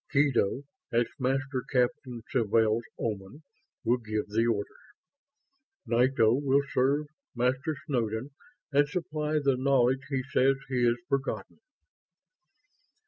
Kedo, as Master Captain Sawtelle's Oman, will give the orders. Nito will serve Master Snowden and supply the knowledge he says he has forgotten."